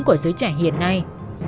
của giới trẻ hiện nay